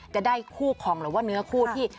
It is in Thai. จะได้คู่คอมหรือว่าเนื้อคู่ที่